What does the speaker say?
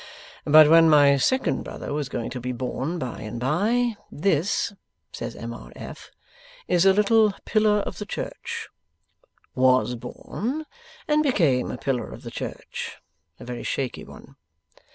But when my second brother was going to be born by and by, "this," says M. R. F., "is a little pillar of the church." Was born, and became a pillar of the church; a very shaky one.